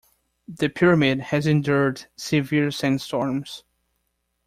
The pyramid has endured severe sandstorms.